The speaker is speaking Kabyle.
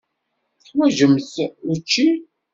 Teḥwaǧemt učči?